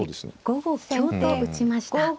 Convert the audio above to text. ５五香と打ちました。